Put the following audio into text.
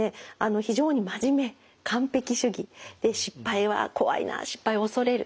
非常に真面目完璧主義失敗は怖いな失敗を恐れる。